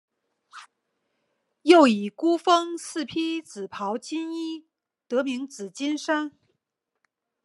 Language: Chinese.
又以孤峰似披紫袍金衣得名紫金山。